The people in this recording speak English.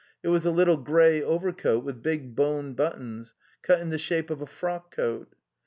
It was a little grey overcoat with big bone buttons, cut in the shape of a frock coat.